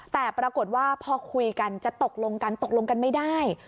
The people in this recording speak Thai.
แต่ปรากฏว่าพอคุยกันจะตกลงกันตกลงกันไม่ได้